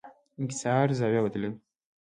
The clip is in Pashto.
انکسار زاویه بدلوي.